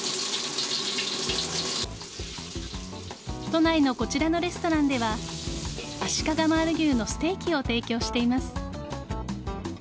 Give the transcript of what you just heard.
都内のこちらのレストランでは足利マール牛のステーキを提供しています。